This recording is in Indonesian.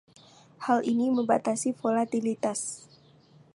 Hal ini membatasi volatilitas.